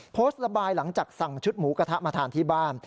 โพสต์ระบายหลังจากสั่งชุดหมูกระทะมาทานที่บ้าน